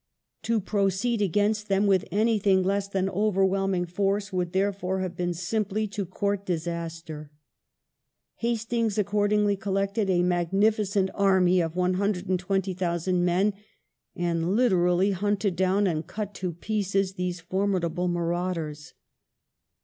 To proceed against them with anything less than overwhelming force would, therefore, have been simply to court disaster. Hastings accordingly collected a magnificent ai my of 120,000 men, and literally hunted down and cut to pieces these formidable marauders.